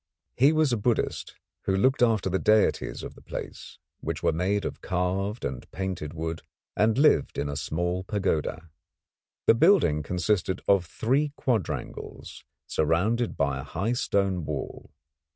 He was a Buddhist who looked after the deities of the place, which were made of carved and painted wood, and lived in a small pagoda. The building consisted of three quadrangles surrounded by a high stone wall.